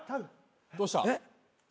どうした？